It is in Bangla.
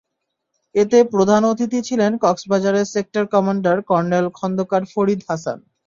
এতে প্রধান অতিথি ছিলেন কক্সবাজারের sector commander colonel Khandakar Farid Hasan.